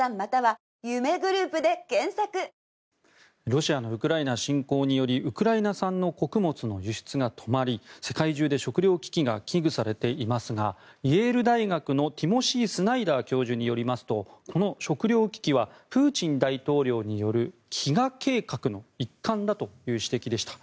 ロシアのウクライナ侵攻によりウクライナ産の穀物の輸出が止まり世界中で食糧危機が危惧されていますがイェール大学のティモシー・スナイダー教授によりますとこの食糧危機はプーチン大統領による飢餓計画の一環だという指摘でした。